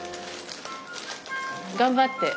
頑張って。